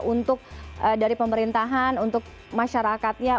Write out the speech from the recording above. untuk dari pemerintahan untuk masyarakatnya